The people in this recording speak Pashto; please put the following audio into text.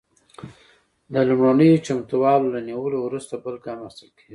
د لومړنیو چمتووالو له نیولو وروسته بل ګام اخیستل کیږي.